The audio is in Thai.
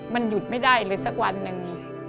มันหยุดไม่ได้เลยสักวันหนึ่ง